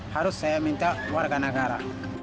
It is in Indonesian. harus saya minta warga negara